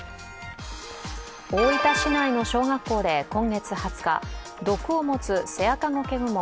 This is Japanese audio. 大分市内の小学校で今月２０日毒を持つセアカゴケグモ